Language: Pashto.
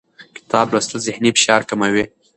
کتاب لوستل ذهني فشار کموي